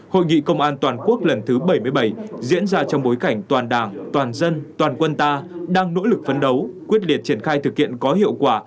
hội nghị công an toàn quốc lần thứ bảy mươi bảy diễn ra trong bối cảnh toàn đảng toàn dân toàn quân ta đang nỗ lực phấn đấu quyết liệt triển khai thực hiện có hiệu quả